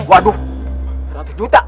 waduh seratus juta